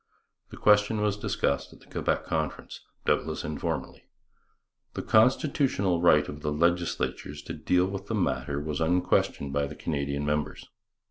The question was discussed at the Quebec Conference, doubtless informally. The constitutional right of the legislatures to deal with the matter was unquestioned by the Canadian members.